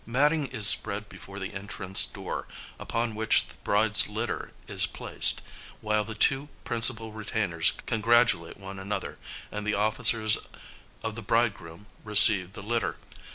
Matting is spread before the entrance door, upon which the bride's litter is placed, while the two principal retainers congratulate one another, and the officers of the bridegroom receive the litter.